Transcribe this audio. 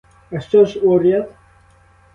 А що ж уряд?